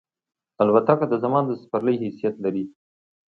الوتکه د زمان د سپرلۍ حیثیت لري.